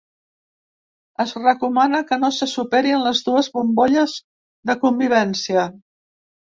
Es recomana que no se superin les dues bombolles de convivència.